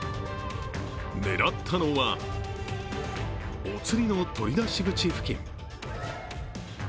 狙ったのはお釣りの取り出し口付近。